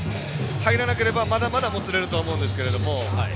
入らなければ、まだまだもつれるとは思うんですけれども。